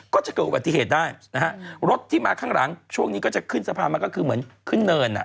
ก็จะเกิดอุบัติเหตุได้นะฮะรถที่มาข้างหลังช่วงนี้ก็จะขึ้นสะพานมาก็คือเหมือนขึ้นเนินอ่ะ